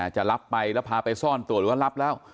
จะรับไปแล้วพาไปซ่อนตัวหรือว่ารับแล้ว